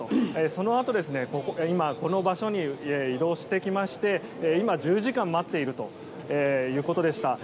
そのあと今、この場所に移動してきまして今、１０時間待っているということでした。